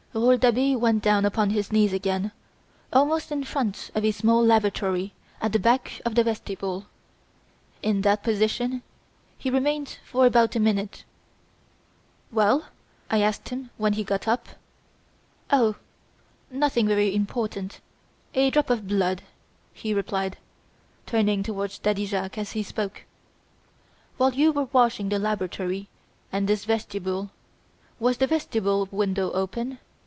Rouletabille went down upon his knees again almost in front of a small lavatory at the back of the vestibule. In that position he remained for about a minute. "Well?" I asked him when he got up. "Oh! nothing very important, a drop of blood," he replied, turning towards Daddy Jacques as he spoke. "While you were washing the laboratory and this vestibule, was the vestibule window open?"